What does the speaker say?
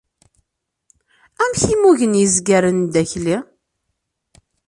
Amek i mmugen yizgaren n Dda Akli?